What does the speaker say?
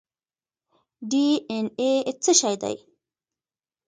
ډي این اې څه شی دی؟